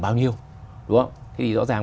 bao nhiêu đúng không thì rõ ràng